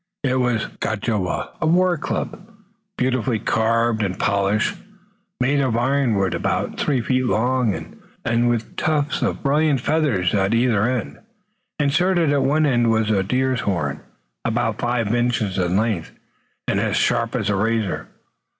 It was gajewa, a war club, beautifully carved and polished, made of ironwood about three feet long, and with tufts of brilliant feathers at either end. Inserted at one end was a deer's horn, about five inches in length, and as sharp as a razor.